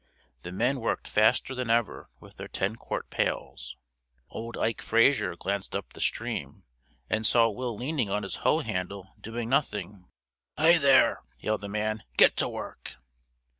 The men worked faster than ever with their ten quart pails. Old Ike Frazier glanced up the stream, and saw Will leaning on his hoe handle, doing nothing. "Hi there!" yelled the man. "Get to work!"